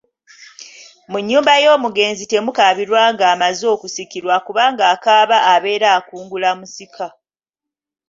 Mu nnyumba y’omugenzi temukaabirwa nga amaze okusikirwa kubanga akaaba abeera akungula musika.